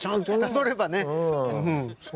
たどればねうん。